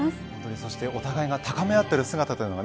そしてお互いが高め合ってる姿は